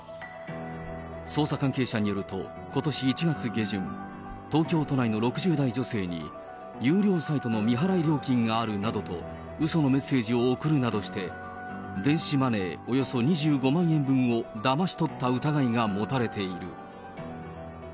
捜査関係者によると、ことし１月下旬、東京都内の６０代女性に、有料サイトの未払い料金があるなどとうそのメッセージを送るなどして、電子マネーおよそ２５万円分をだまし取った疑いが持たれている。